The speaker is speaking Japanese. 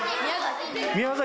宮崎。